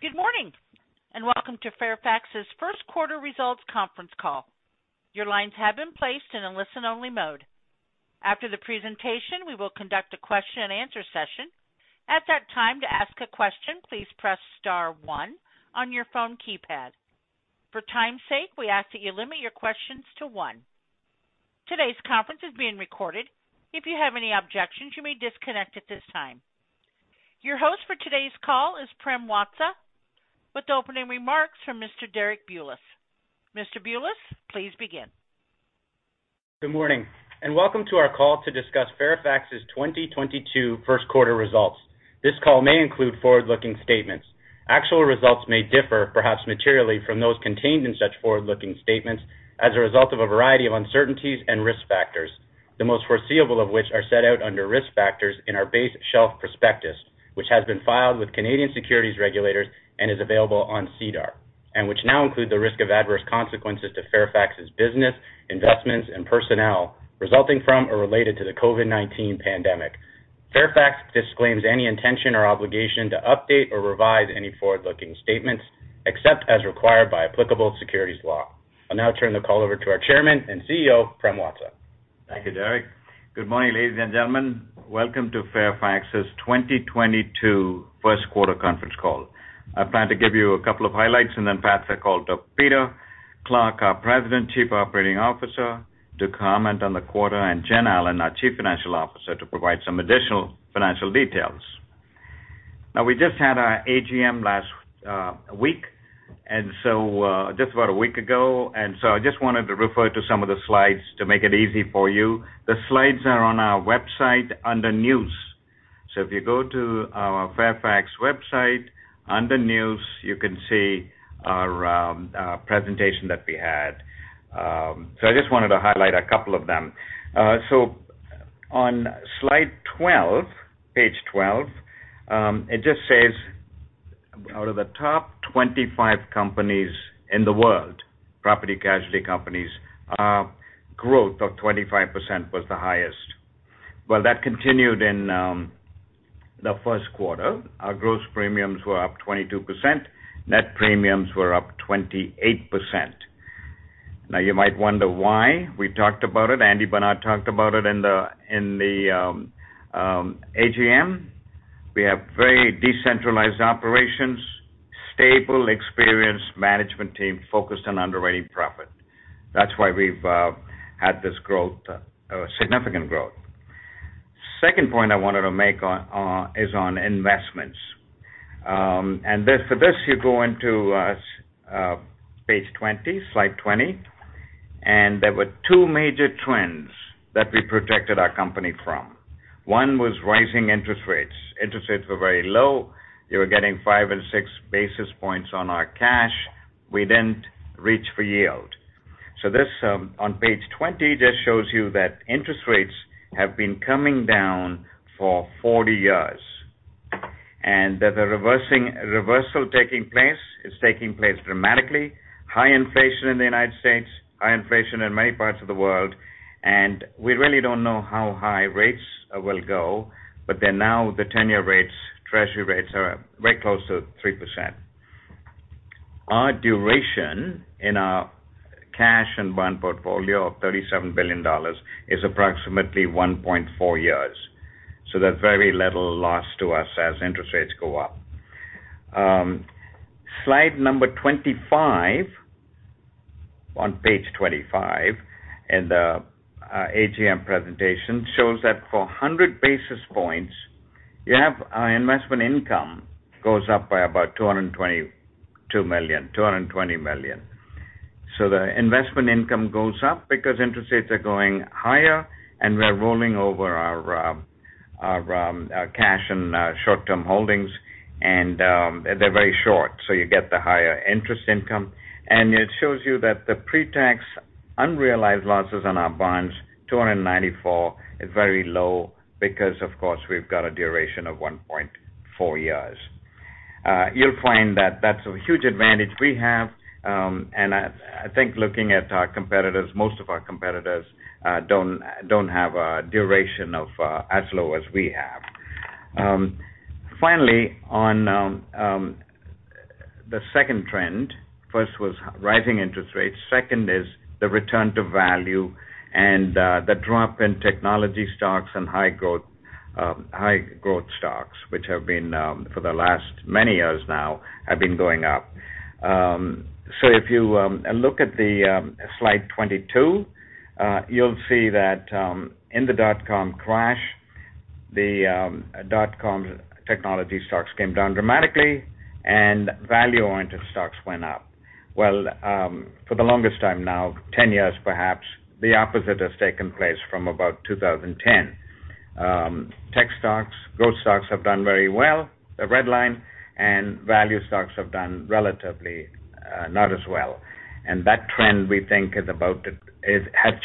Good morning, and welcome to Fairfax's first quarter results conference call. Your lines have been placed in a listen-only mode. After the presentation, we will conduct a question-and-answer session. At that time, to ask a question, please press star one on your phone keypad. For time's sake, we ask that you limit your questions to one. Today's conference is being recorded. If you have any objections, you may disconnect at this time. Your host for today's call is Prem Watsa, with opening remarks from Mr. Derek Bulas. Mr. Bulas, please begin. Good morning, and welcome to our call to discuss Fairfax's 2022 first quarter results. This call may include forward-looking statements. Actual results may differ, perhaps materially, from those contained in such forward-looking statements as a result of a variety of uncertainties and risk factors, the most foreseeable of which are set out under Risk Factors in our base shelf prospectus, which has been filed with Canadian securities regulators and is available on SEDAR, and which now include the risk of adverse consequences to Fairfax's business, investments, and personnel resulting from or related to the COVID-19 pandemic. Fairfax disclaims any intention or obligation to update or revise any forward-looking statements except as required by applicable securities law. I'll now turn the call over to our chairman and CEO, Prem Watsa. Thank you, Derek. Good morning, ladies and gentlemen. Welcome to Fairfax's 2022 first quarter conference call. I plan to give you a couple of highlights, and then pass the call to Peter Clarke, our President, Chief Operating Officer, to comment on the quarter, and Jennifer Allen, our Chief Financial Officer, to provide some additional financial details. Now we just had our AGM last week, and so just about a week ago, and so I just wanted to refer to some of the slides to make it easy for you. The slides are on our website under News. If you go to our Fairfax website, under News, you can see our presentation that we had. I just wanted to highlight a couple of them. So on slide 12, page 12, it just says, out of the top 25 companies in the world, property casualty companies, our growth of 25% was the highest. Well, that continued in the first quarter. Our gross premiums were up 22%. Net premiums were up 28%. Now you might wonder why. We talked about it. Andy Barnard talked about it in the AGM. We have very decentralized operations, stable, experienced management team focused on underwriting profit. That's why we've had this growth, significant growth. Second point I wanted to make is on investments. For this, you go into page 20, slide 20. There were two major trends that we protected our company from. One was rising interest rates. Interest rates were very low. We were getting five and six basis points on our cash. We didn't reach for yield. This on page 20 just shows you that interest rates have been coming down for 40 years, and that the reversal taking place is taking place dramatically. High inflation in the United States, high inflation in many parts of the world, and we really don't know how high rates will go. But they're now, the 10-year rates, treasury rates are very close to 3%. Our duration in our cash and bond portfolio of $37 billion is approximately 1.4 years. There's very little loss to us as interest rates go up. Slide number 25, on page 25 in the AGM presentation, shows that for 100 basis points, you have investment income goes up by about $222 million, $220 million. The investment income goes up because interest rates are going higher, and we're rolling over our cash and short-term holdings. They're very short, so you get the higher interest income. It shows you that the pre-tax unrealized losses on our bonds, $294, is very low because, of course, we've got a duration of 1.4 years. You'll find that that's a huge advantage we have, and I think looking at our competitors, most of our competitors don't have a duration of as low as we have. Finally, on the second trend. First was rising interest rates, second is the return to value and the drop in technology stocks and high growth stocks, which have been for the last many years now, have been going up. If you look at the slide 22, you'll see that in the dot-com crash, the dot-com technology stocks came down dramatically and value-oriented stocks went up. Well, for the longest time now, 10 years perhaps, the opposite has taken place from about 2010. Tech stocks, growth stocks have done very well, the red line, and value stocks have done relatively not as well. That trend, we think, has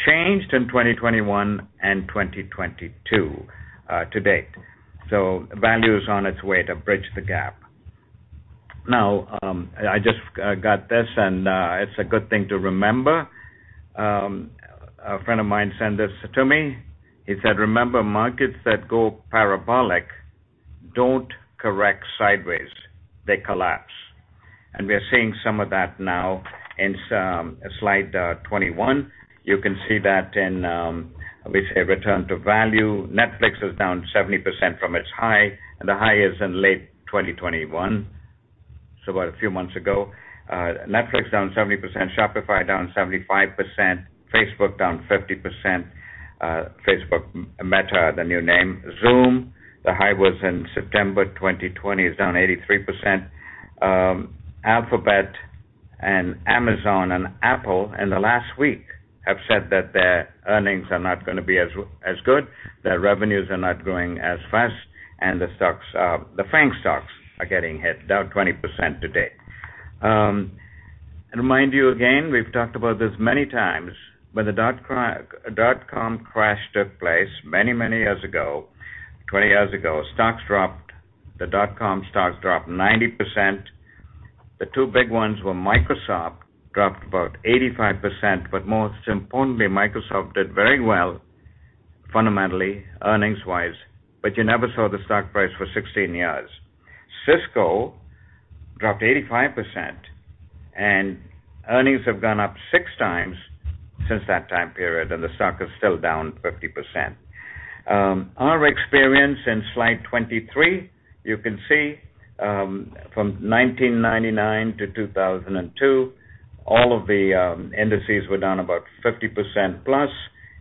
changed in 2021 and 2022 to date. Value is on its way to bridge the gap. Now, I just got this and, it's a good thing to remember. A friend of mine sent this to me. He said, "Remember markets that go parabolic don't correct sideways, they collapse." We are seeing some of that now in some. Slide 21. You can see that in, with a return to value, Netflix is down 70% from its high, and the high is in late 2021, so about a few months ago. Netflix down 70%, Shopify down 75%. Facebook down 50%. Facebook, Meta, the new name. Zoom, the high was in September 2020, is down 83%. Alphabet and Amazon and Apple in the last week have said that their earnings are not gonna be as good, their revenues are not growing as fast, and the stocks are, the FAANG stocks are getting hit, down 20% today. Remind you again, we've talked about this many times. When the dot-com crash took place many years ago, 20 years ago, stocks dropped. The dot-com stocks dropped 90%. The two big ones were Microsoft, dropped about 85%, but most importantly, Microsoft did very well fundamentally, earnings-wise, but you never saw the stock price for 16 years. Cisco dropped 85%, and earnings have gone up 6 times since that time period, and the stock is still down 50%. Our experience in slide 23, you can see, from 1999 to 2002, all of the indices were down about 50% plus,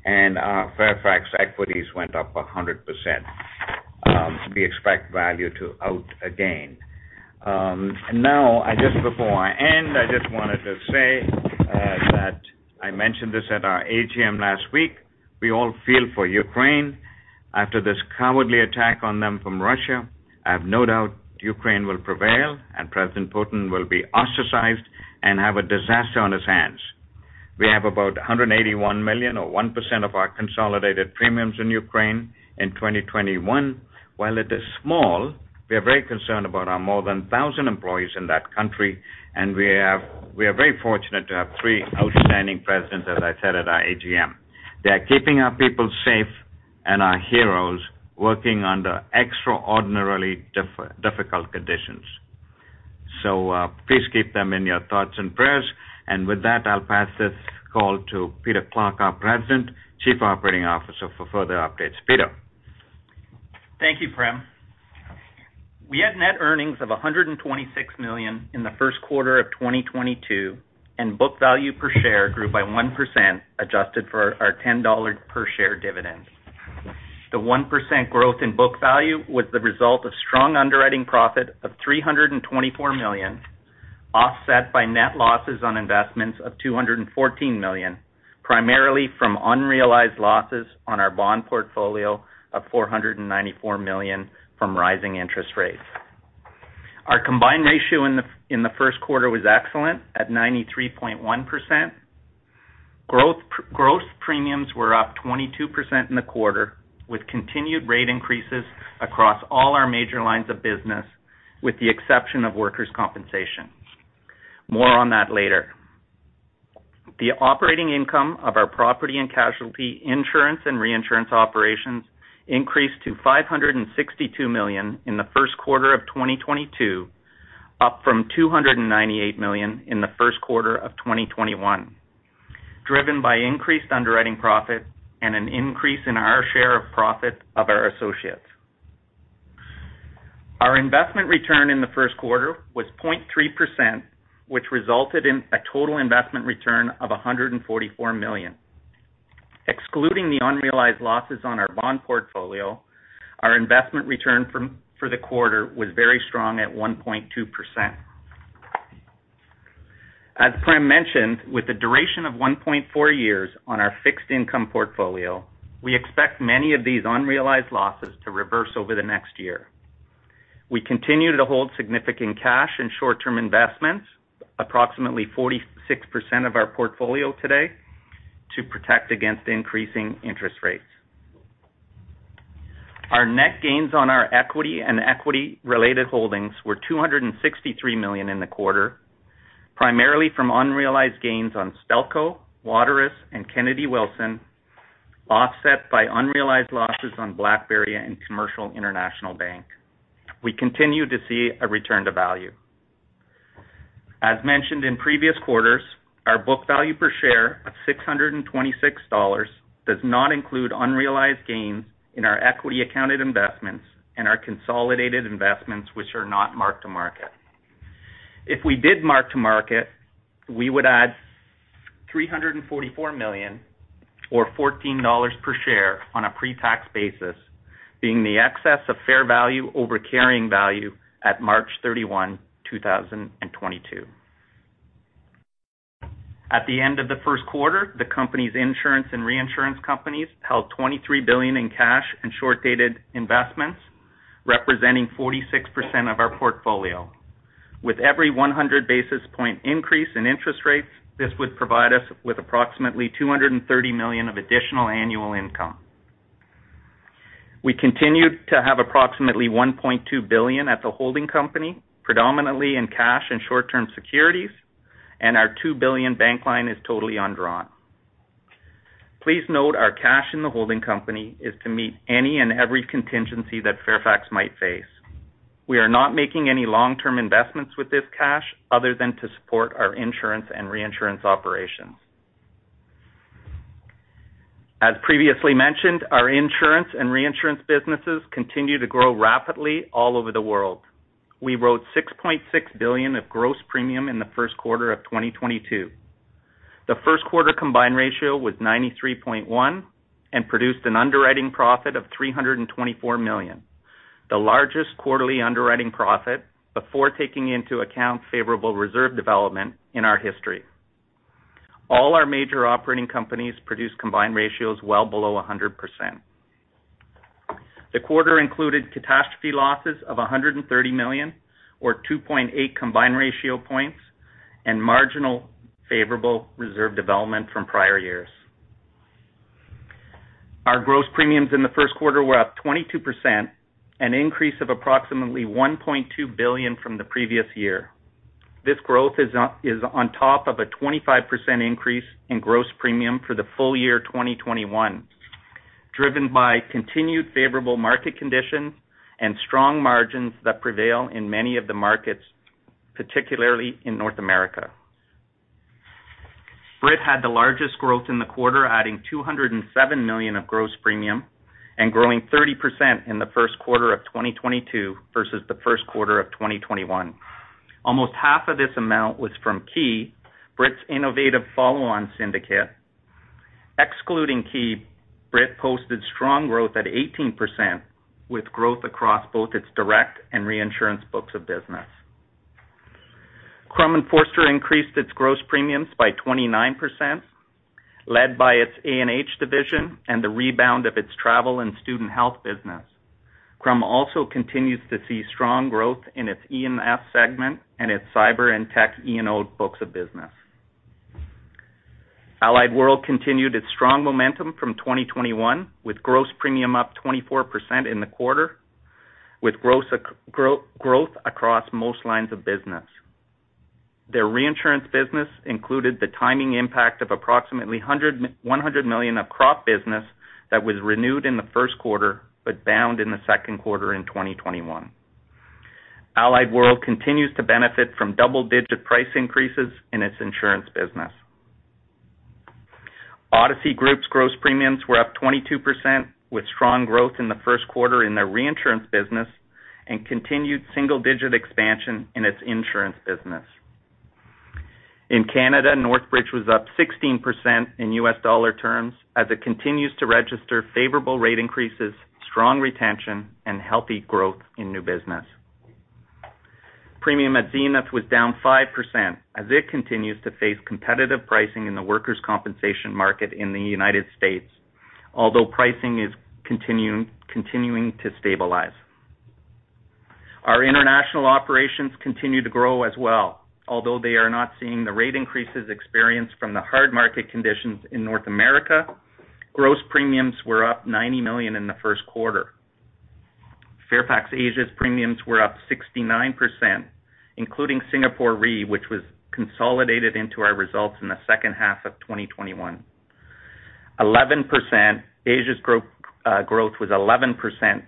and Fairfax equities went up 100%. We expect value to outperform again. Now, before I end, I wanted to say that I mentioned this at our AGM last week. We all feel for Ukraine after this cowardly attack on them from Russia. I have no doubt Ukraine will prevail and President Putin will be ostracized and have a disaster on his hands. We have about $181 million or 1% of our consolidated premiums in Ukraine in 2021. While it is small, we are very concerned about our more than 1,000 employees in that country, and we are very fortunate to have three outstanding presidents, as I said at our AGM. They are keeping our people safe and our heroes working under extraordinarily difficult conditions. Please keep them in your thoughts and prayers. With that, I'll pass this call to Peter Clarke, our President, Chief Operating Officer, for further updates. Peter. Thank you, Prem. We had net earnings of $126 million in the first quarter of 2022, and book value per share grew by 1% adjusted for our $10 per share dividend. The 1% growth in book value was the result of strong underwriting profit of $324 million, offset by net losses on investments of $214 million, primarily from unrealized losses on our bond portfolio of $494 million from rising interest rates. Our combined ratio in the first quarter was excellent, at 93.1%. Gross premiums were up 22% in the quarter, with continued rate increases across all our major lines of business, with the exception of workers' compensation. More on that later. The operating income of our property and casualty insurance and reinsurance operations increased to $562 million in the first quarter of 2022, up from $298 million in the first quarter of 2021, driven by increased underwriting profit and an increase in our share of profit of our associates. Our investment return in the first quarter was 0.3%, which resulted in a total investment return of $144 million. Excluding the unrealized losses on our bond portfolio, our investment return for the quarter was very strong at 1.2%. As Prem mentioned, with the duration of 1.4 years on our fixed income portfolio, we expect many of these unrealized losses to reverse over the next year. We continue to hold significant cash and short-term investments, approximately 46% of our portfolio today, to protect against increasing interest rates. Our net gains on our equity and equity-related holdings were $263 million in the quarter, primarily from unrealized gains on Stelco, Waterous Energy Fund, and Kennedy Wilson, offset by unrealized losses on BlackBerry and Commercial International Bank. We continue to see a return to value. As mentioned in previous quarters, our book value per share of $626 does not include unrealized gains in our equity accounted investments and our consolidated investments, which are not mark to market. If we did mark to market, we would add $344 million or $14 per share on a pre-tax basis, being the excess of fair value over carrying value at March 31, 2022. At the end of the first quarter, the company's insurance and reinsurance companies held $23 billion in cash and short-dated investments, representing 46% of our portfolio. With every 100 basis point increase in interest rates, this would provide us with approximately $230 million of additional annual income. We continued to have approximately $1.2 billion at the holding company, predominantly in cash and short-term securities, and our $2 billion bank line is totally undrawn. Please note our cash in the holding company is to meet any and every contingency that Fairfax might face. We are not making any long-term investments with this cash other than to support our insurance and reinsurance operations. As previously mentioned, our insurance and reinsurance businesses continue to grow rapidly all over the world. We wrote $6.6 billion of gross premium in the first quarter of 2022. The first quarter combined ratio was 93.1 and produced an underwriting profit of $324 million, the largest quarterly underwriting profit before taking into account favorable reserve development in our history. All our major operating companies produced combined ratios well below 100%. The quarter included catastrophe losses of $130 million or 2.8 combined ratio points and marginal favorable reserve development from prior years. Our gross premiums in the first quarter were up 22%, an increase of approximately $1.2 billion from the previous year. This growth is on top of a 25% increase in gross premium for the full year 2021, driven by continued favorable market conditions and strong margins that prevail in many of the markets, particularly in North America. Brit had the largest growth in the quarter, adding $207 million of gross premium and growing 30% in the first quarter of 2022 versus the first quarter of 2021. Almost half of this amount was from Ki, Brit's innovative follow syndicate. Excluding Ki, Brit posted strong growth at 18%, with growth across both its direct and reinsurance books of business. Crum & Forster increased its gross premiums by 29%, led by its A&H division and the rebound of its travel and student health business. Crum also continues to see strong growth in its E&S segment and its cyber and tech E&O books of business. Allied World continued its strong momentum from 2021, with gross premium up 24% in the quarter, with gross growth across most lines of business. Their reinsurance business included the timing impact of approximately $100 million of crop business that was renewed in the first quarter but bound in the second quarter in 2021. Allied World continues to benefit from double-digit price increases in its insurance business. Odyssey Group's gross premiums were up 22%, with strong growth in the first quarter in their reinsurance business and continued single-digit expansion in its insurance business. In Canada, Northbridge was up 16% in US dollar terms as it continues to register favorable rate increases, strong retention, and healthy growth in new business. Premium at Zenith was down 5% as it continues to face competitive pricing in the workers' compensation market in the United States, although pricing is continuing to stabilize. Our international operations continue to grow as well, although they are not seeing the rate increases experienced from the hard market conditions in North America. Gross premiums were up $90 million in the first quarter. Fairfax Asia's premiums were up 69%, including Singapore Re, which was consolidated into our results in the second half of 2021. 11%. Asia's growth was 11%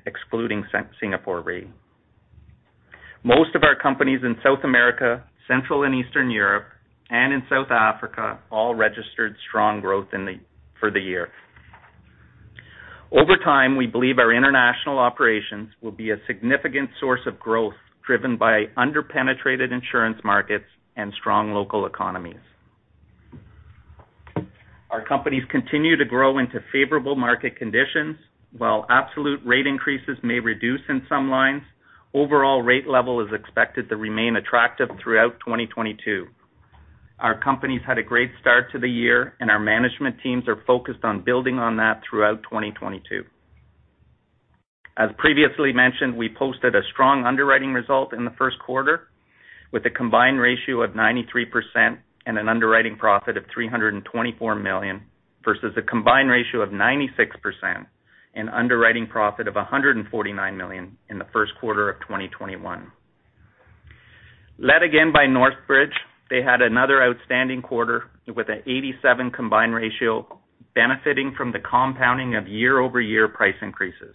excluding Singapore Re. Most of our companies in South America, Central and Eastern Europe, and in South Africa all registered strong growth for the year. Over time, we believe our international operations will be a significant source of growth driven by under-penetrated insurance markets and strong local economies. Our companies continue to grow into favorable market conditions. While absolute rate increases may reduce in some lines, overall rate level is expected to remain attractive throughout 2022. Our companies had a great start to the year, and our management teams are focused on building on that throughout 2022. As previously mentioned, we posted a strong underwriting result in the first quarter with a combined ratio of 93% and an underwriting profit of $324 million versus a combined ratio of 96% and underwriting profit of $149 million in the first quarter of 2021. Led again by Northbridge, they had another outstanding quarter with an 87% combined ratio benefiting from the compounding of year-over-year price increases.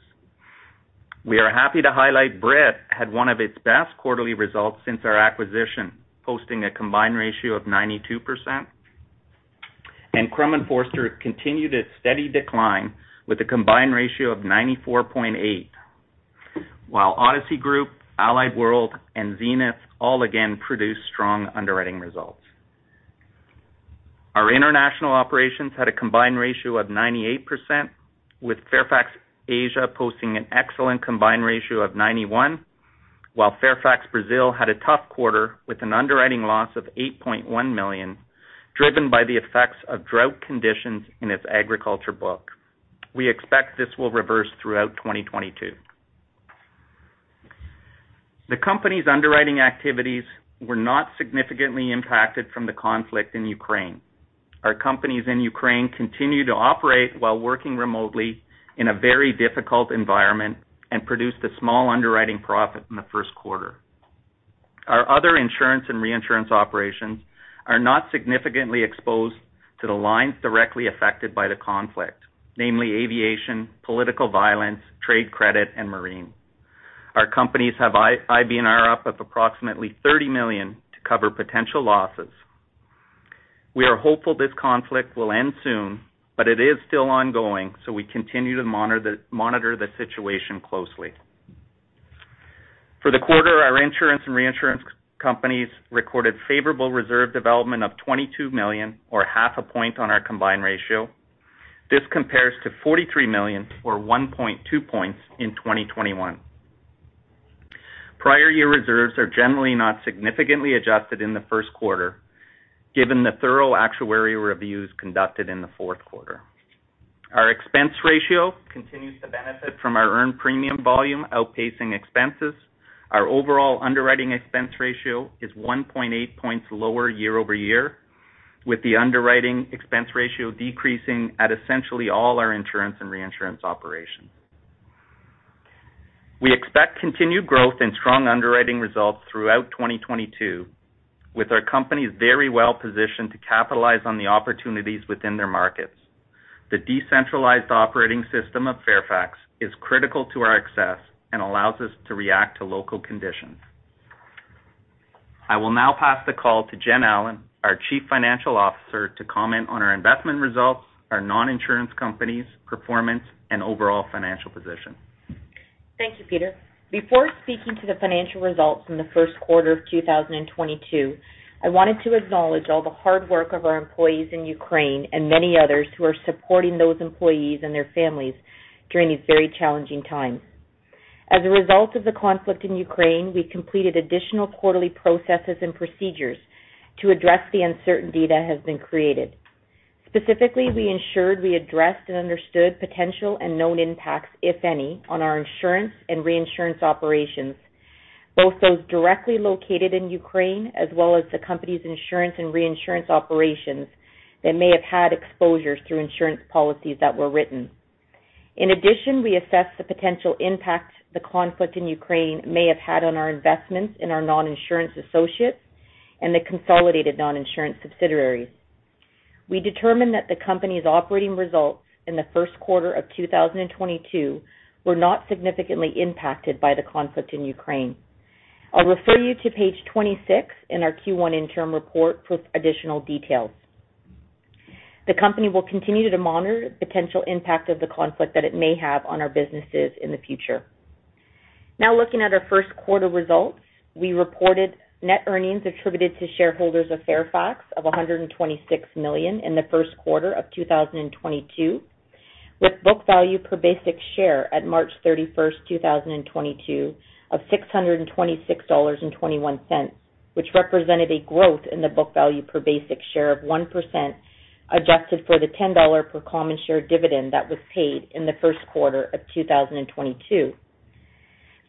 We are happy to highlight Brit had one of its best quarterly results since our acquisition, posting a combined ratio of 92%. Crum & Forster continued its steady decline with a combined ratio of 94.8%, while Odyssey Group, Allied World, and Zenith all again produced strong underwriting results. Our international operations had a combined ratio of 98%, with Fairfax Asia posting an excellent combined ratio of 91%, while Fairfax Brasil had a tough quarter with an underwriting loss of $8.1 million, driven by the effects of drought conditions in its agriculture book. We expect this will reverse throughout 2022. The company's underwriting activities were not significantly impacted from the conflict in Ukraine. Our companies in Ukraine continue to operate while working remotely in a very difficult environment and produced a small underwriting profit in the first quarter. Our other insurance and reinsurance operations are not significantly exposed to the lines directly affected by the conflict, namely aviation, political violence, trade credit, and marine. Our companies have IBNR up of approximately $30 million to cover potential losses. We are hopeful this conflict will end soon, but it is still ongoing, so we continue to monitor the situation closely. For the quarter, our insurance and reinsurance companies recorded favorable reserve development of $22 million or 0.5 point on our combined ratio. This compares to $43 million or 1.2 points in 2021. Prior year reserves are generally not significantly adjusted in the first quarter given the thorough actuarial reviews conducted in the fourth quarter. Our expense ratio continues to benefit from our earned premium volume outpacing expenses. Our overall underwriting expense ratio is 1.8 points lower year-over-year, with the underwriting expense ratio decreasing at essentially all our insurance and reinsurance operations. We expect continued growth and strong underwriting results throughout 2022, with our companies very well positioned to capitalize on the opportunities within their markets. The decentralized operating system of Fairfax is critical to our success and allows us to react to local conditions. I will now pass the call to Jen Allen, our Chief Financial Officer, to comment on our investment results, our non-insurance companies' performance, and overall financial position. Thank you, Peter. Before speaking to the financial results in the first quarter of 2022, I wanted to acknowledge all the hard work of our employees in Ukraine and many others who are supporting those employees and their families during these very challenging times. As a result of the conflict in Ukraine, we completed additional quarterly processes and procedures to address the uncertainty that has been created. Specifically, we ensured we addressed and understood potential and known impacts, if any, on our insurance and reinsurance operations, both those directly located in Ukraine, as well as the company's insurance and reinsurance operations that may have had exposures through insurance policies that were written. In addition, we assessed the potential impact the conflict in Ukraine may have had on our investments in our non-insurance associates and the consolidated non-insurance subsidiaries. We determined that the company's operating results in the first quarter of 2022 were not significantly impacted by the conflict in Ukraine. I'll refer you to page 26 in our Q1 interim report for additional details. The company will continue to monitor the potential impact of the conflict that it may have on our businesses in the future. Now looking at our first quarter results. We reported net earnings attributed to shareholders of Fairfax of $126 million in the first quarter of 2022, with book value per basic share at March 31st, 2022 of $626.21, which represented a growth in the book value per basic share of 1%, adjusted for the $10 per common share dividend that was paid in the first quarter of 2022.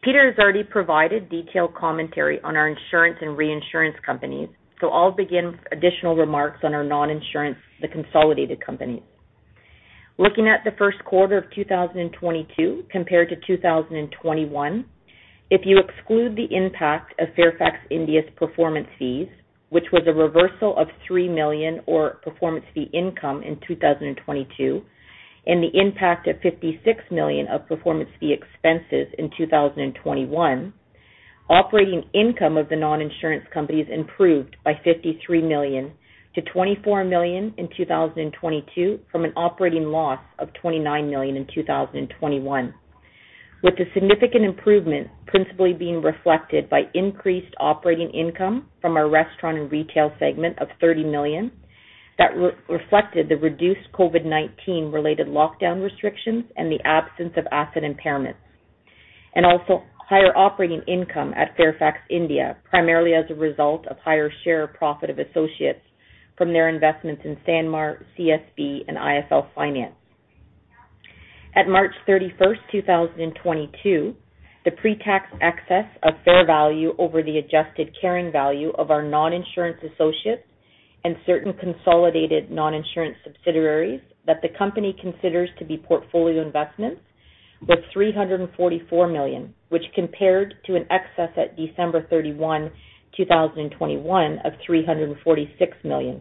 Peter has already provided detailed commentary on our insurance and reinsurance companies, so I'll begin with additional remarks on our non-insurance, the consolidated companies. Looking at the first quarter of 2022 compared to 2021, if you exclude the impact of Fairfax India's performance fees, which was a reversal of $3 million of performance fee income in 2022, and the impact of $56 million of performance fee expenses in 2021, operating income of the non-insurance companies improved by $53 million to $24 million in 2022 from an operating loss of $29 million in 2021, with the significant improvement principally being reflected by increased operating income from our restaurant and retail segment of $30 million. That reflected the reduced COVID-19 related lockdown restrictions and the absence of asset impairments, and also higher operating income at Fairfax India, primarily as a result of higher share profit of associates from their investments in Sanmar, CSB, and IIFL Finance. At March 31st, 2022, the pre-tax excess of fair value over the adjusted carrying value of our non-insurance associates and certain consolidated non-insurance subsidiaries that the company considers to be portfolio investments was $344 million, which compared to an excess at December 31st, 2021 of $346 million.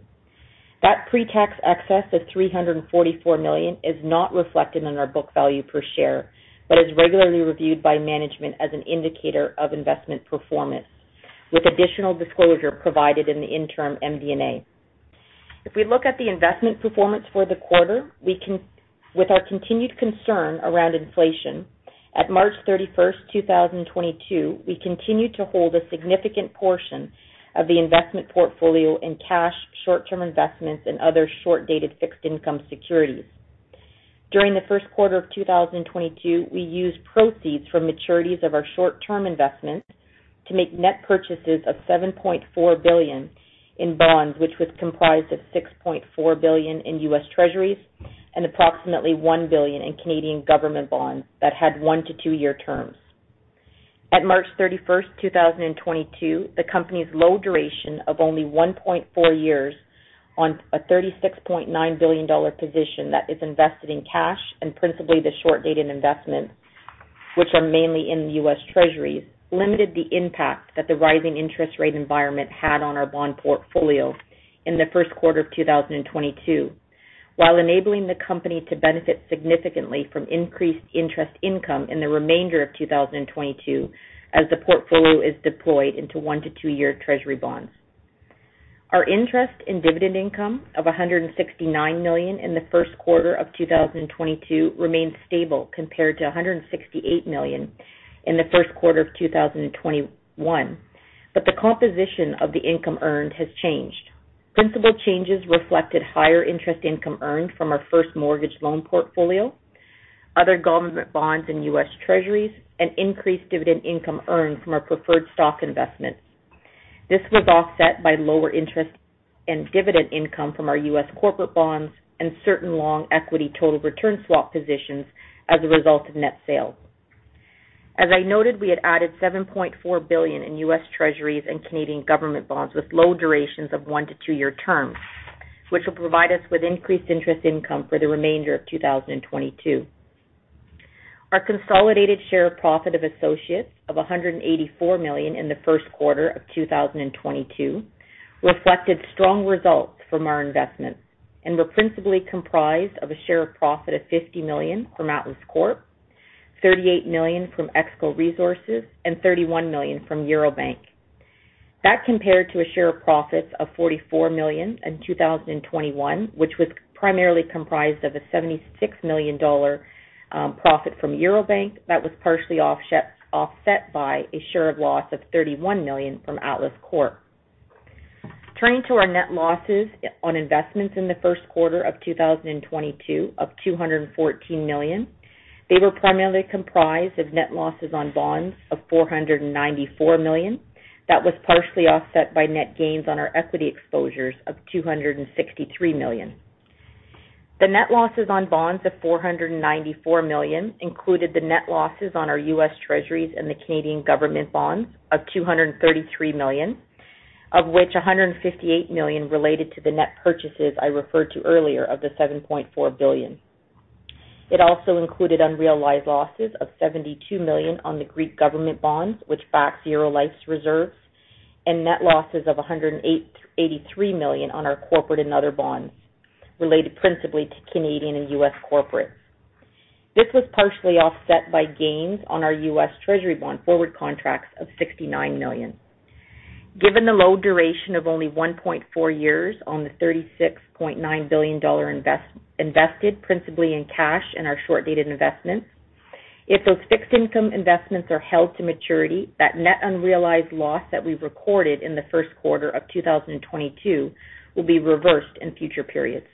That pre-tax excess of $344 million is not reflected in our book value per share, but is regularly reviewed by management as an indicator of investment performance, with additional disclosure provided in the interim MD&A. If we look at the investment performance for the quarter, with our continued concern around inflation, at March 31, 2022, we continued to hold a significant portion of the investment portfolio in cash, short-term investments, and other short-dated fixed income securities. During the first quarter of 2022, we used proceeds from maturities of our short-term investments to make net purchases of $7.4 billion in bonds, which was comprised of $6.4 billion in U.S. Treasuries and approximately 1 billion in Canadian government bonds that had 1- 2-year terms. At March 31st, 2022, the company's low duration of only 1.4 years on a $36.9 billion position that is invested in cash and principally the short-dated investments, which are mainly in the U.S. Treasuries, limited the impact that the rising interest rate environment had on our bond portfolio in the first quarter of 2022 while enabling the company to benefit significantly from increased interest income in the remainder of 2022 as the portfolio is deployed into 1- to 2-year Treasury bonds. Our interest and dividend income of $169 million in the first quarter of 2022 remains stable compared to $168 million in the first quarter of 2021. The composition of the income earned has changed. Principal changes reflected higher interest income earned from our first mortgage loan portfolio, other government bonds and US Treasuries, and increased dividend income earned from our preferred stock investments. This was offset by lower interest and dividend income from our US corporate bonds and certain long equity total return swap positions as a result of net sales. As I noted, we had added $7.4 billion in US Treasuries and Canadian government bonds with low durations of 1-2-year terms, which will provide us with increased interest income for the remainder of 2022. Our consolidated share of profit of associates of $184 million in the first quarter of 2022 reflected strong results from our investments and were principally comprised of a share of profit of $50 million from Atlas Corp., $38 million from EXCO Resources, and $31 million from Eurobank. That compared to a share of profits of $44 million in 2021, which was primarily comprised of a $76 million profit from Eurobank that was partially offset by a share of loss of $31 million from Atlas Corp. Turning to our net losses on investments in the first quarter of 2022 of $214 million, they were primarily comprised of net losses on bonds of $494 million. That was partially offset by net gains on our equity exposures of $263 million. The net losses on bonds of $494 million included the net losses on our U.S. Treasuries and the Canadian government bonds of $233 million, of which $158 million related to the net purchases I referred to earlier of the $7.4 billion. It also included unrealized losses of $72 million on the Greek government bonds, which backs Eurolife's reserves, and net losses of eighty-three million on our corporate and other bonds related principally to Canadian and U.S. corporates. This was partially offset by gains on our U.S. Treasury bond forward contracts of $69 million. Given the low duration of only 1.4 years on the $36.9 billion invested principally in cash and our short-dated investments, if those fixed income investments are held to maturity, that net unrealized loss that we recorded in the first quarter of 2022 will be reversed in future periods.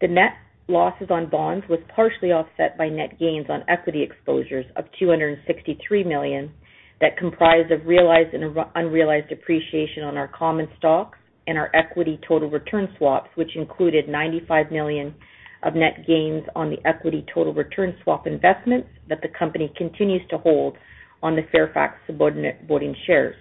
The net losses on bonds was partially offset by net gains on equity exposures of $263 million that comprise of realized and unrealized appreciation on our common stocks and our equity total return swaps, which included $95 million of net gains on the equity total return swap investments that the company continues to hold on the Fairfax subordinate voting shares.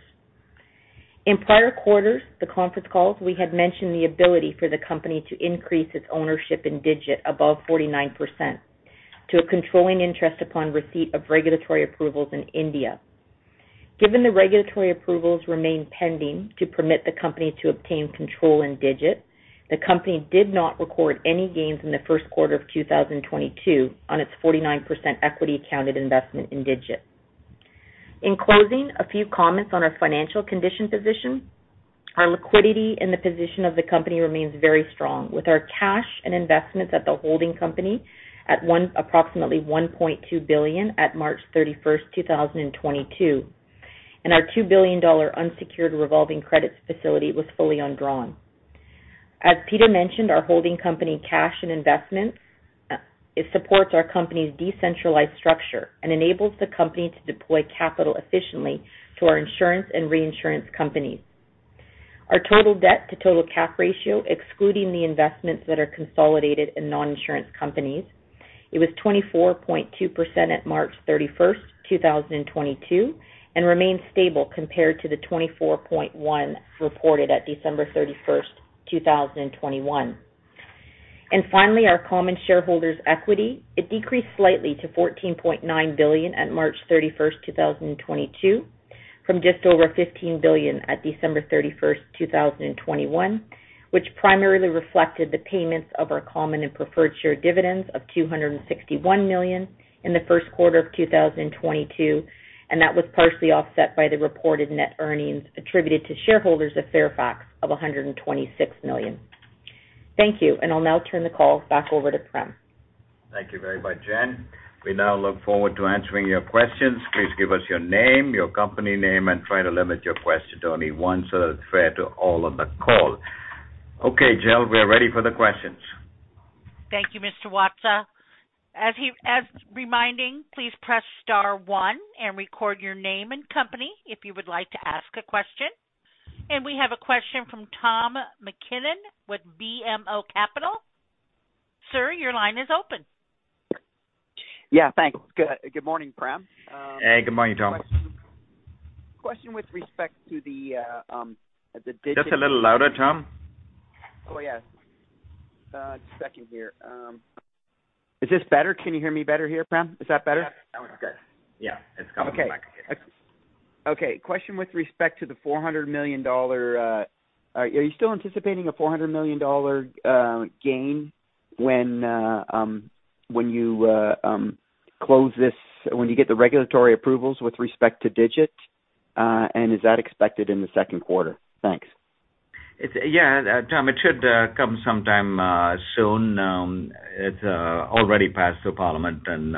In prior quarters, the conference calls, we had mentioned the ability for the company to increase its ownership in Digit above 49% to a controlling interest upon receipt of regulatory approvals in India. Given the regulatory approvals remain pending to permit the company to obtain control in Digit, the company did not record any gains in the first quarter of 2022 on its 49% equity accounted investment in Digit. In closing, a few comments on our financial condition position. Our liquidity and the position of the company remains very strong with our cash and investments at the holding company at approximately $1.2 billion at March 31, 2022, and our $2 billion unsecured revolving credit facility was fully undrawn. As Peter mentioned, our holding company cash and investments it supports our company's decentralized structure and enables the company to deploy capital efficiently to our insurance and reinsurance companies. Our total debt to total cap ratio, excluding the investments that are consolidated in non-insurance companies, it was 24.2% at March 31st, 2022 and remains stable compared to the 24.1 reported at December 31st, 2021. Finally, our common shareholders equity, it decreased slightly to $14.9 billion at March 31, 2022 from just over $15 billion at December 31st, 2021, which primarily reflected the payments of our common and preferred share dividends of $261 million in the first quarter of 2022, and that was partially offset by the reported net earnings attributed to shareholders of Fairfax of $126 million. Thank you. I'll now turn the call back over to Prem. Thank you very much, Jen. We now look forward to answering your questions. Please give us your name, your company name, and try to limit your question to only one so that it's fair to all on the call. Okay, Jill, we are ready for the questions. Thank you, Mr. Watsa. As he's reminding, please press star one and record your name and company if you would like to ask a question. We have a question from Tom MacKinnon with BMO Capital. Sir, your line is open. Yeah, thanks. Good morning, Prem. Hey, good morning, Tom. Question with respect to the Digit- Just a little louder, Tom. Oh, yes. Just a second here. Is this better? Can you hear me better here, Prem? Is that better? Yeah, that one's good. Yeah. It's coming back. Question with respect to the $400 million. Are you still anticipating a $400 million gain when you get the regulatory approvals with respect to Digit, and is that expected in the second quarter? Thanks. Yeah, Tom, it should come sometime soon. It's already passed through parliament, and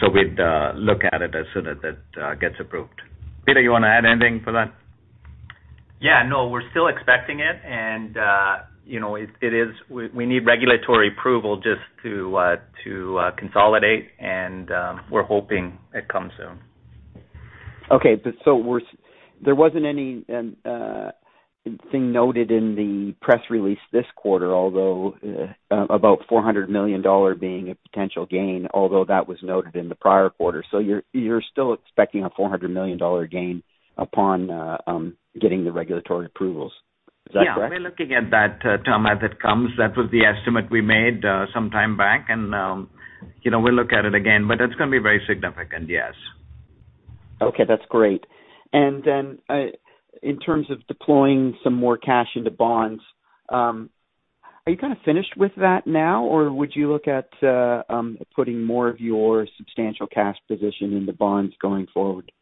so we'd look at it as soon as that gets approved. Peter, you wanna add anything for that? Yeah, no, we're still expecting it and, you know, we need regulatory approval just to consolidate, and we're hoping it comes soon. There wasn't anything noted in the press release this quarter, although about $400 million being a potential gain, although that was noted in the prior quarter. You're still expecting a $400 million gain upon getting the regulatory approvals. Is that correct? Yeah. We're looking at that, Tom, as it comes. That was the estimate we made, some time back, and, you know, we'll look at it again, but it's gonna be very significant, yes. Okay, that's great. In terms of deploying some more cash into bonds, are you kinda finished with that now, or would you look at putting more of your substantial cash position into bonds going forward?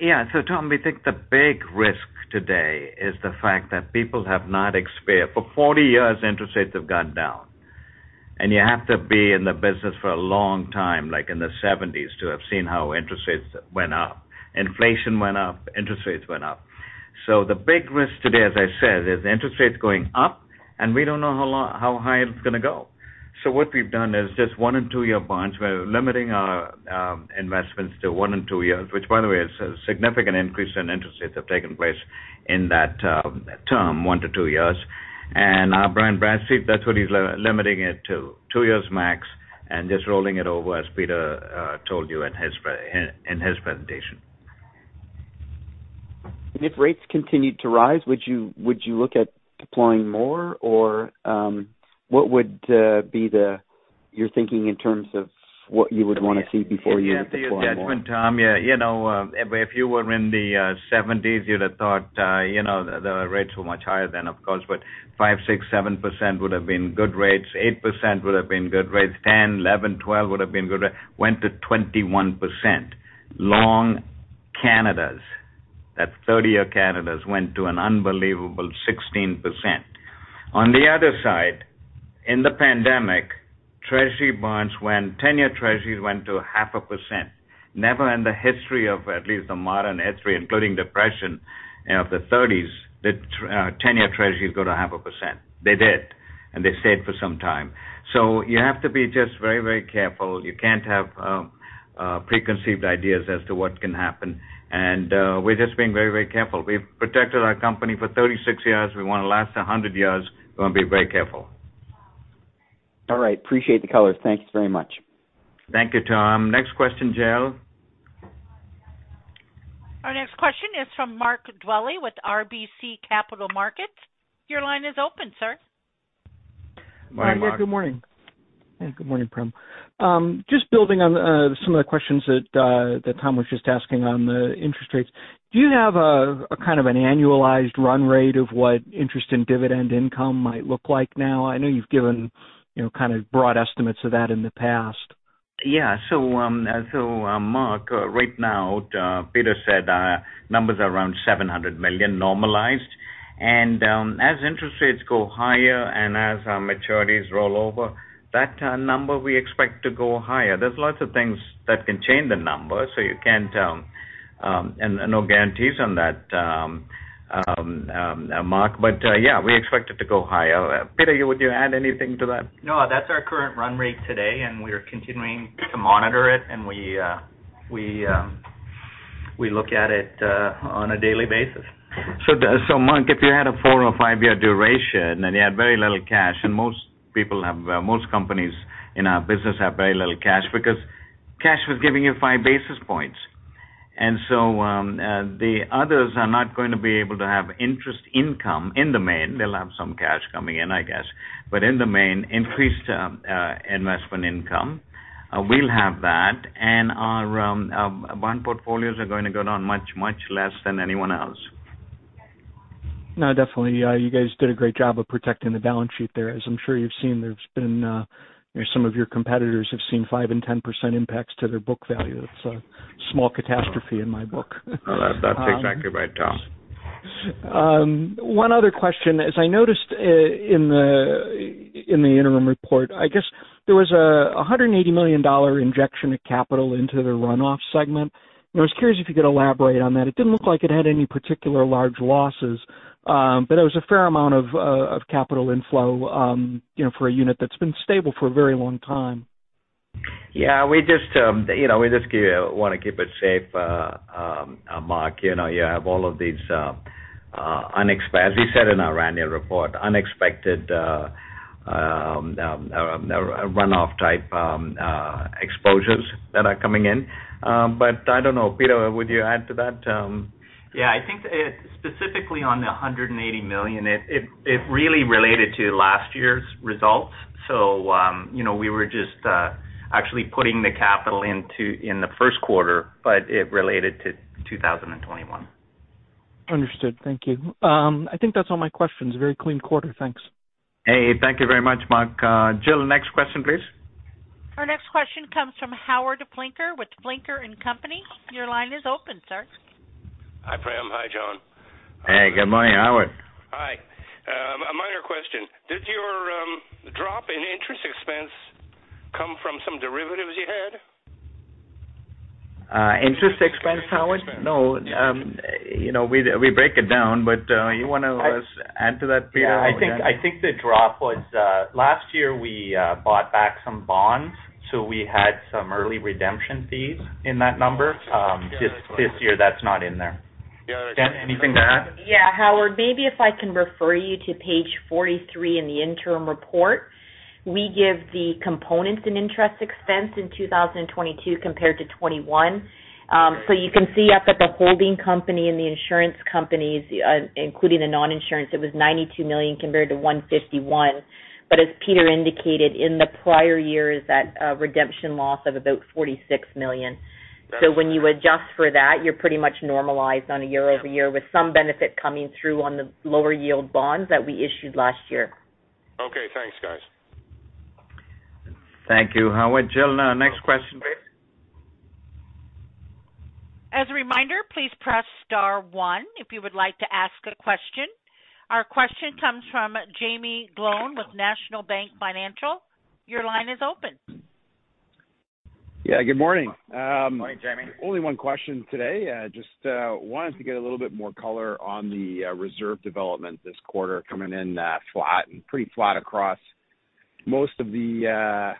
Yeah. Tom, we think the big risk today is the fact that people have not experienced. For 40 years, interest rates have gone down. You have to be in the business for a long time, like in the 1970s, to have seen how interest rates went up. Inflation went up, interest rates went up. The big risk today, as I said, is interest rates going up and we don't know how long. How high it's gonna go. What we've done is just one- and two-year bonds. We're limiting our investments to one and two years, which by the way is a significant increase in interest rates has taken place in that term, 1-2 years. Our Brian Bradstreet, that's what he's limiting it to, two years max, and just rolling it over, as Peter told you in his presentation. If rates continued to rise, would you look at deploying more or what would be your thinking in terms of what you would wanna see before you deploy more? It's a judgment call. You know, if you were in the 1970s, you'd have thought, you know, the rates were much higher then, of course, but 5, 6, 7% would have been good rates. 8% would have been good rates. 10, 11, 12 would have been good rates. Went to 21%. Long Canadas, that's 30-year Canadas, went to an unbelievable 16%. On the other side, in the pandemic, 10-year treasuries went to 0.5%. Never in the history of at least the modern history, including the Depression of the 1930s, did 10-year treasuries go to 0.5%. They did, and they stayed for some time. You have to be just very, very careful. You can't have preconceived ideas as to what can happen. We're just being very, very careful. We've protected our company for 36 years. We wanna last 100 years. We're gonna be very careful. All right. Appreciate the color. Thank you very much. Thank you, Tom. Next question, Jill. Our next question is from Mark Dwelle with RBC Capital Markets. Your line is open, sir. Morning, Mark. Good morning. Good morning, Prem. Just building on some of the questions that Tom was just asking on the interest rates. Do you have a kind of an annualized run rate of what interest and dividend income might look like now? I know you've given, you know, kind of broad estimates of that in the past. Mark, right now, Peter said, numbers are around $700 million normalized. As interest rates go higher and as our maturities roll over, that number we expect to go higher. There's lots of things that can change the number, so you can't. No guarantees on that, Mark. Yeah, we expect it to go higher. Peter, would you add anything to that? No, that's our current run rate today, and we are continuing to monitor it. We look at it on a daily basis. Mark, if you had a four or five-year duration, and you had very little cash, and most people have, most companies in our business have very little cash because cash was giving you five basis points. The others are not going to be able to have interest income in the main. They'll have some cash coming in, I guess. In the main, increased investment income, we'll have that. Our bond portfolios are gonna go down much, much less than anyone else. No, definitely. You guys did a great job of protecting the balance sheet there. As I'm sure you've seen, there's been some of your competitors have seen 5% and 10% impacts to their book value. That's a small catastrophe in my book. That's exactly right, Tom. One other question is I noticed in the interim report, I guess there was a $180 million injection of capital into the runoff segment. I was curious if you could elaborate on that. It didn't look like it had any particular large losses, but it was a fair amount of capital inflow, you know, for a unit that's been stable for a very long time. Yeah, we just, you know, we just wanna keep it safe, Mark. You know, you have all of these, as we said in our annual report, unexpected, runoff type, exposures that are coming in. I don't know. Peter, would you add to that? Yeah, I think specifically on the $180 million, it really related to last year's results. You know, we were just actually putting the capital into it in the first quarter, but it related to 2021. Understood. Thank you. I think that's all my questions. Very clean quarter. Thanks. Hey, thank you very much, Mark. Jill, next question, please. Our next question comes from Howard Flinker with Flinker & Company. Your line is open, sir. Hi, Prem. Hi, John. Hey, good morning, Howard. Hi. A minor question. Did your drop in interest expense come from some derivatives you had? Interest expense, Howard? No. You know, we break it down, but you wanna just add to that, Peter? Yeah. I think the drop was last year we bought back some bonds, so we had some early redemption fees in that number. Just this year that's not in there. Jen, anything to add? Yeah, Howard, maybe if I can refer you to page 43 in the interim report, we give the components in interest expense in 2022 compared to 2021. You can see as at the holding company and the insurance companies, including the non-insurance, it was $92 million compared to $151 million. As Peter indicated, in the prior years that redemption loss of about $46 million. When you adjust for that, you're pretty much normalized on a year-over-year with some benefit coming through on the lower yield bonds that we issued last year. Okay, thanks, guys. Thank you, Howard. Jill, next question, please. As a reminder, please press star one if you would like to ask a question. Our question comes from Jaeme Gloyn with National Bank Financial. Your line is open. Yeah, good morning. Morning, Jaeme. Only one question today. Just wanted to get a little bit more color on the reserve development this quarter coming in flat and pretty flat across most of the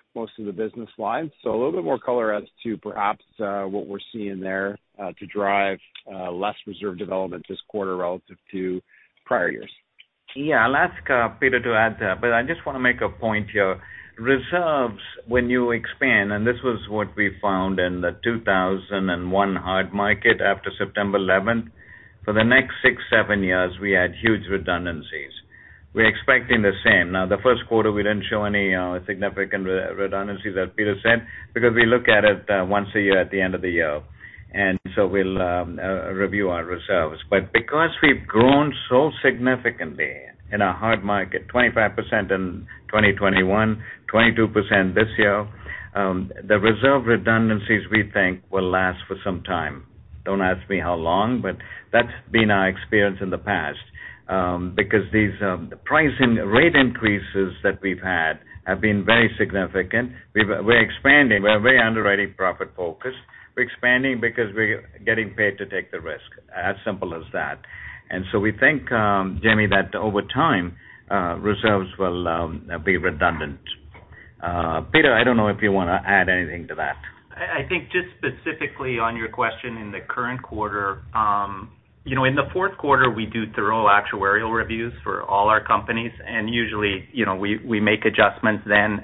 business lines. A little bit more color as to perhaps what we're seeing there to drive less reserve development this quarter relative to prior years. Yeah. I'll ask Peter to add to that, but I just wanna make a point here. Reserves when you expand, and this was what we found in the 2001 hard market after 9/11. For the next 6-7 years, we had huge redundancies. We're expecting the same. Now, the first quarter, we didn't show any significant redundancies, as Peter said, because we look at it once a year at the end of the year. We'll review our reserves. Because we've grown so significantly in a hard market, 25% in 2021, 22% this year, the reserve redundancies, we think will last for some time. Don't ask me how long, but that's been our experience in the past. Because these pricing rate increases that we've had have been very significant. We're expanding. We're very underwriting profit focused. We're expanding because we're getting paid to take the risk. As simple as that. We think, Jaeme, that over time, reserves will be redundant. Peter, I don't know if you wanna add anything to that. I think just specifically on your question in the current quarter, you know, in the fourth quarter, we do thorough actuarial reviews for all our companies, and usually, you know, we make adjustments then.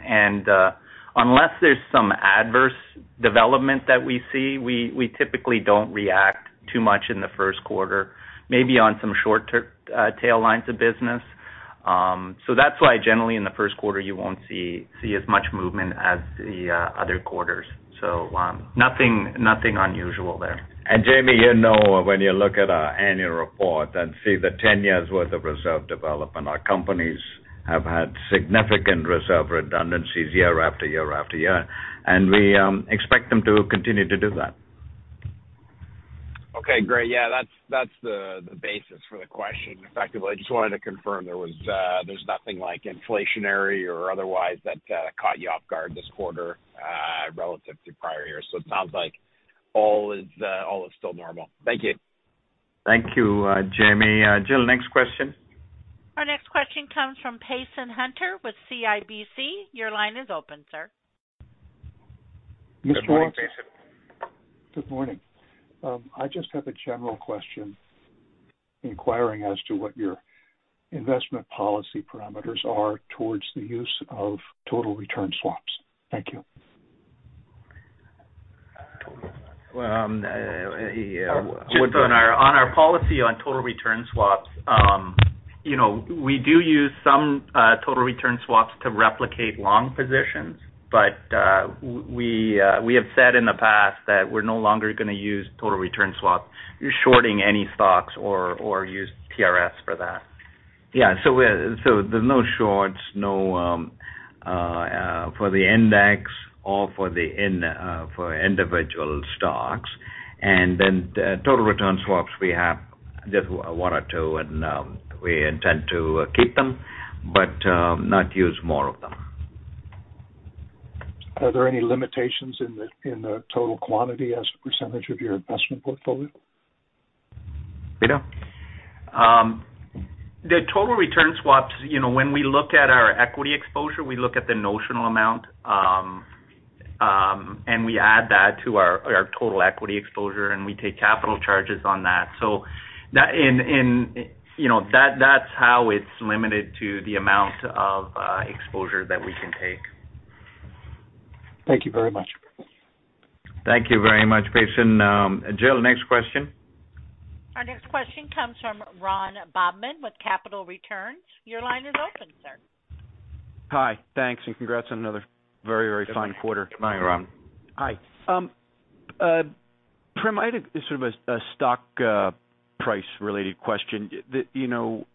Unless there's some adverse development that we see, we typically don't react too much in the first quarter, maybe on some short-term tail lines of business. That's why generally in the first quarter, you won't see as much movement as the other quarters. Nothing unusual there. Jaeme, you know, when you look at our annual report and see the 10 years' worth of reserve development, our companies have had significant reserve redundancies year after year after year, and we expect them to continue to do that. Okay, great. Yeah. That's the basis for the question. Effectively, I just wanted to confirm there's nothing like inflationary or otherwise that caught you off guard this quarter, relative to prior years. It sounds like all is still normal. Thank you. Thank you, Jamie. Jill, next question. Our next question comes from Payson Hunter with CIBC. Your line is open, sir. Mr. Hunter. Good morning. I just have a general question inquiring as to what your investment policy parameters are towards the use of total return swaps. Thank you. Well, yeah. Just on our policy on total return swaps, you know, we do use some total return swaps to replicate long positions, but we have said in the past that we're no longer gonna use total return swaps. You're shorting any stocks or use TRS for that. There's no shorts, no, for the index or for individual stocks. The total return swaps we have just 1 or 2, and we intend to keep them, but not use more of them. Are there any limitations in the total quantity as a percentage of your investment portfolio? The total return swaps, you know, when we look at our equity exposure, we look at the notional amount, and we add that to our total equity exposure, and we take capital charges on that. You know, that's how it's limited to the amount of exposure that we can take. Thank you very much. Thank you very much, Jason. Jill, next question. Our next question comes from Ron Bobman with Capital Returns. Your line is open, sir. Hi. Thanks, and congrats on another very, very fine quarter. Good morning, Ron. Hi. Prem, I had a sort of a stock price related question. You know,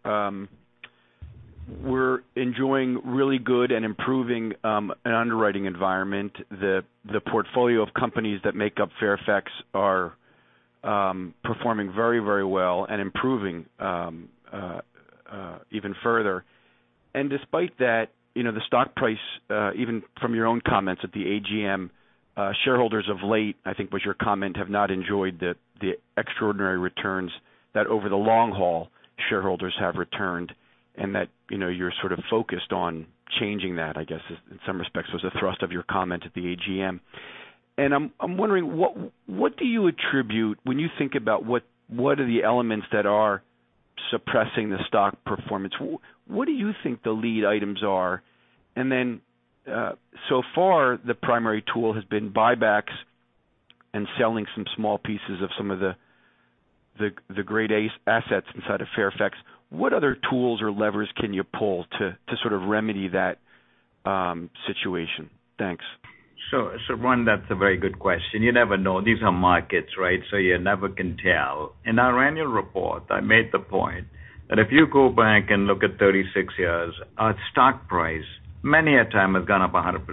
we're enjoying really good and improving an underwriting environment. The portfolio of companies that make up Fairfax are performing very, very well and improving even further. Despite that, you know, the stock price even from your own comments at the AGM, shareholders of late, I think was your comment, have not enjoyed the extraordinary returns that over the long haul shareholders have returned and that, you know, you're sort of focused on changing that, I guess, in some respects was the thrust of your comment at the AGM. I'm wondering, what do you attribute when you think about what are the elements that are suppressing the stock performance? What do you think the lead items are? So far, the primary tool has been buybacks and selling some small pieces of some of the grade A assets inside of Fairfax. What other tools or levers can you pull to sort of remedy that situation? Thanks. Ron, that's a very good question. You never know. These are markets, right? You never can tell. In our annual report, I made the point that if you go back and look at 36 years, our stock price, many a time has gone up 100%.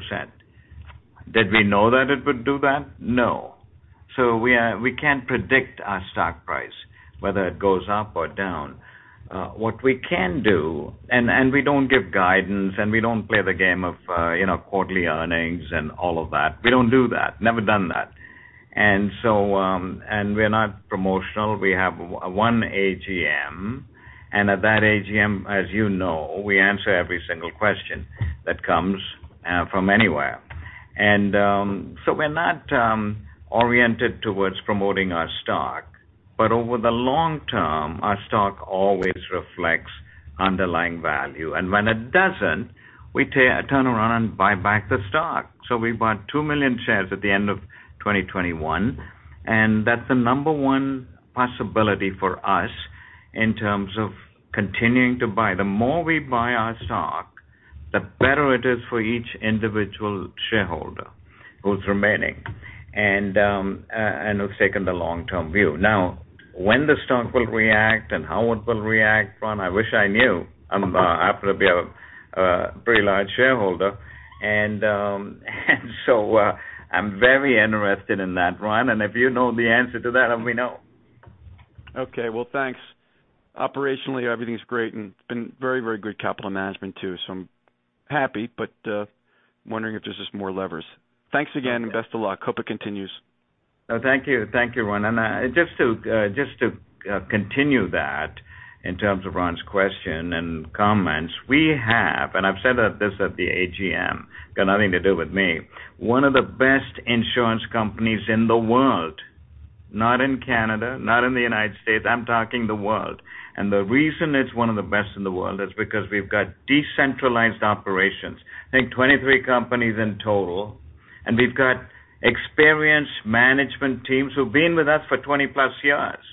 Did we know that it would do that? No. We can't predict our stock price, whether it goes up or down. What we can do, we don't give guidance, and we don't play the game of, you know, quarterly earnings and all of that. We don't do that. Never done that. We're not promotional. We have one AGM. At that AGM, as you know, we answer every single question that comes from anywhere. We're not oriented towards promoting our stock. Over the long term, our stock always reflects underlying value. When it doesn't, we turn around and buy back the stock. We bought 2 million shares at the end of 2021, and that's the number one possibility for us in terms of continuing to buy. The more we buy our stock, the better it is for each individual shareholder who's remaining and who's taken the long-term view. Now, when the stock will react and how it will react, Ron, I wish I knew. I happen to be a pretty large shareholder. I'm very interested in that, Ron. If you know the answer to that, let me know. Okay. Well, thanks. Operationally, everything's great, and it's been very, very good capital management too. I'm happy, but wondering if there's just more levers. Thanks again. Okay. Best of luck. Hope it continues. Thank you. Thank you, Ron. Just to continue that, in terms of Ron's question and comments. We have, and I've said this at the AGM, got nothing to do with me. One of the best insurance companies in the world, not in Canada, not in the United States. I'm talking the world. The reason it's one of the best in the world is because we've got decentralized operations. I think 23 companies in total, and we've got experienced management teams who've been with us for 20+ years.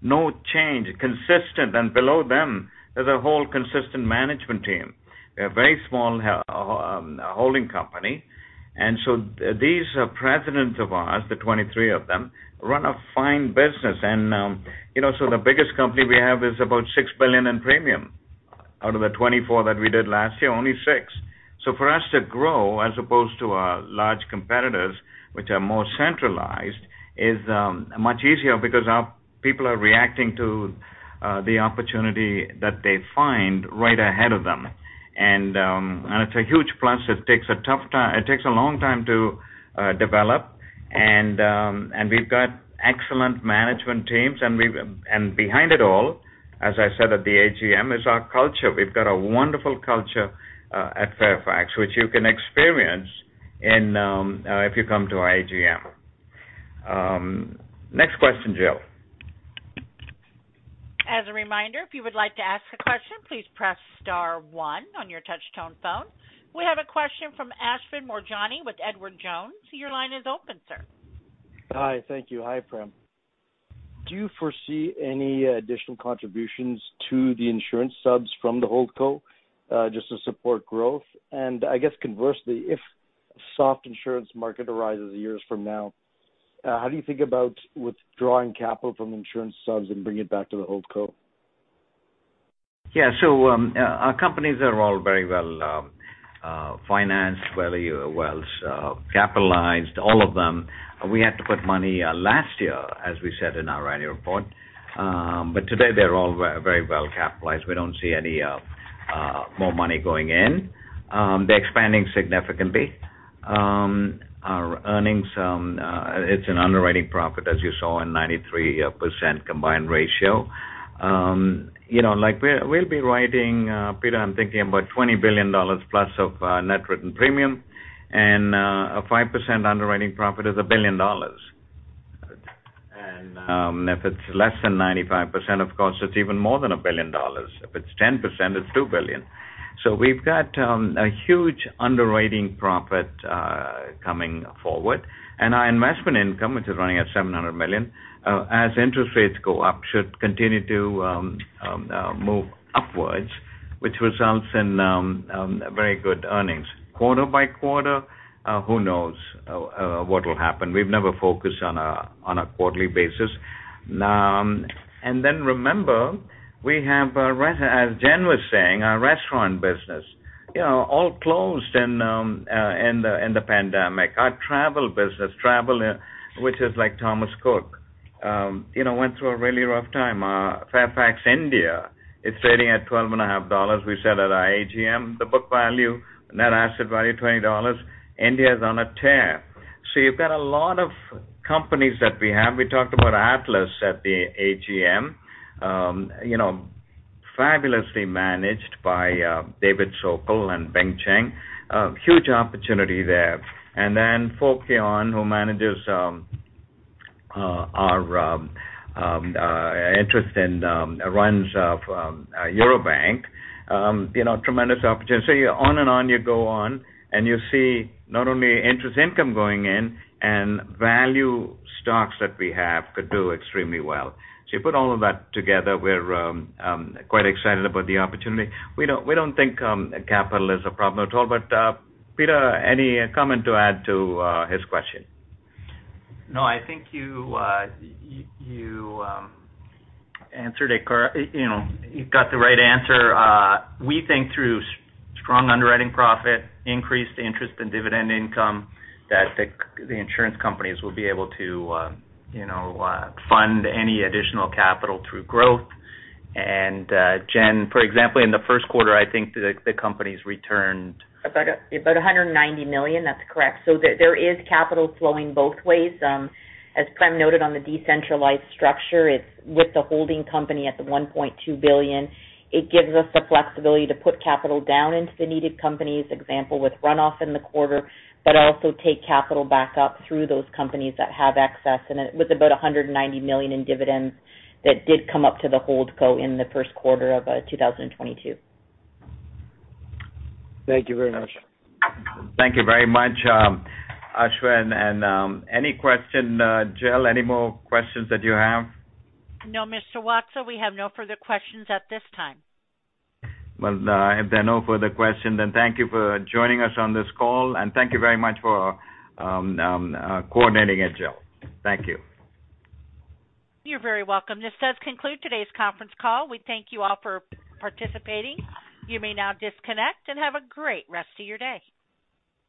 No change, consistent. Below them, there's a whole consistent management team, a very small ho-hum holding company. These presidents of ours, the 23 of them, run a fine business. You know, the biggest company we have is about $6 billion in premium. Out of the 24 that we did last year, only six. For us to grow as opposed to our large competitors, which are more centralized, is much easier because our people are reacting to the opportunity that they find right ahead of them. It's a huge plus. It takes a long time to develop and we've got excellent management teams. Behind it all, as I said at the AGM, is our culture. We've got a wonderful culture at Fairfax, which you can experience in if you come to our AGM. Next question, Jill. As a reminder, if you would like to ask a question, please press star one on your touch tone phone. We have a question from Ashwin Moorjani with Edward Jones. Your line is open, sir. Hi. Thank you. Hi, Prem. Do you foresee any additional contributions to the insurance subs from the holdco, just to support growth? I guess conversely, if soft insurance market arises years from now, how do you think about withdrawing capital from insurance subs and bring it back to the holdco? Yeah, our companies are all very well financed, fairly well capitalized, all of them. We had to put money last year, as we said in our annual report. Today they're all very well capitalized. We don't see any more money going in. They're expanding significantly. Our earnings, it's an underwriting profit, as you saw in 93% combined ratio. You know, like, we'll be writing, Peter, I'm thinking about $20 billion plus of net written premium, and a 5% underwriting profit is $1 billion. If it's less than 95%, of course, it's even more than $1 billion. If it's 10%, it's $2 billion. We've got a huge underwriting profit coming forward. Our investment income, which is running at $700 million, as interest rates go up, should continue to move upwards, which results in very good earnings. Quarter by quarter, who knows what will happen. We've never focused on a quarterly basis. Remember, as Jen was saying, our restaurant business, you know, all closed in the pandemic. Our travel business, which is like Thomas Cook, you know, went through a really rough time. Fairfax India is trading at $12.50. We said at our AGM, the book value, net asset value, $20. India is on a tear. You've got a lot of companies that we have. We talked about Atlas at the AGM. You know, fabulously managed by David Sokol and Bing Chen. Huge opportunity there. Then Fokion, who manages our interest in and runs Eurobank. You know, tremendous opportunity. On and on you go on, and you see not only interest income going in and value stocks that we have could do extremely well. You put all of that together, we're quite excited about the opportunity. We don't think capital is a problem at all. Peter, any comment to add to his question? No, I think you answered it. You know, you've got the right answer. We think through strong underwriting profit, increased interest and dividend income, that the insurance companies will be able to fund any additional capital through growth. Jen, for example, in the first quarter, I think the companies returned- About a hundred and ninety million. That's correct. There is capital flowing both ways. As Prem noted on the decentralized structure, it's with the holding company at the $1.2 billion, it gives us the flexibility to put capital down into the needed companies, example, with runoff in the quarter, but also take capital back up through those companies that have access and with about $190 million in dividends that did come up to the hold co in the first quarter of 2022. Thank you very much. Thank you very much, Ashwin. Any question, Jill, any more questions that you have? No, Mr. Watsa, we have no further questions at this time. If there are no further questions, then thank you for joining us on this call, and thank you very much for coordinating it, Jill. Thank you. You're very welcome. This does conclude today's conference call. We thank you all for participating. You may now disconnect, and have a great rest of your day.